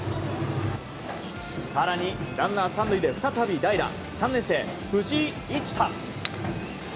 更に、ランナー３塁で再び代打３年生、藤井一太。